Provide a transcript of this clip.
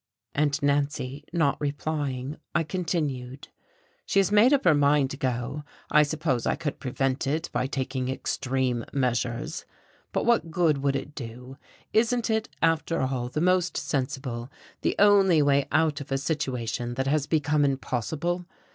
And Nancy not replying, I continued: "She has made up her mind to go, I suppose I could prevent it by taking extreme measures, but what good would it do? Isn't it, after all, the most sensible, the only way out of a situation that has become impossible?